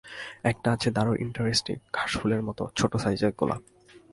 একটা আছে দারুন ইন্টারেস্টিং, ঘাসফুলের মতো ছোট সাইজের গোলাপ।